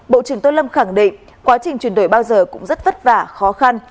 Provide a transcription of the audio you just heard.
bộ trưởng tô lâm khẳng định quá trình chuyển đổi bao giờ cũng rất vất vả khó khăn